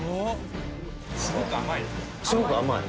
すごく甘い？